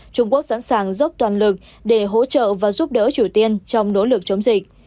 trung quốc sẵn sàng dốc toàn lực để hỗ trợ và giúp đỡ triều tiên trong nỗ lực chống dịch